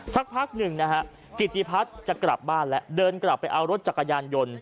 สักพักหนึ่งนะฮะกิติพัฒน์จะกลับบ้านแล้วเดินกลับไปเอารถจักรยานยนต์